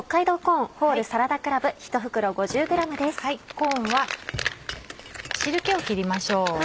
コーンは汁気を切りましょう。